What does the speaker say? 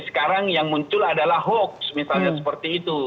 sekarang yang muncul adalah hoax misalnya seperti itu